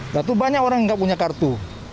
tapi banyak orang yang nggak punya kartu